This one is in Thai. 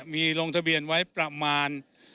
มีลงทะเบียนไว้ประมาณ